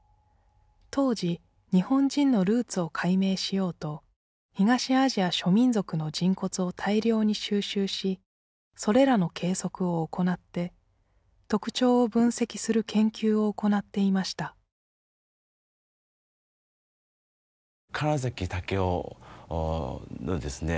当時日本人のルーツを解明しようと東アジア諸民族の人骨を大量に収集しそれらの計測を行って特徴を分析する研究を行っていました金関丈夫のですね